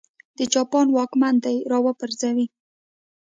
د جاپان واکمن دې را وپرځوي.